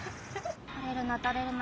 垂れるな垂れるな。